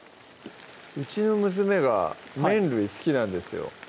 うちの娘が麺類好きなんですよ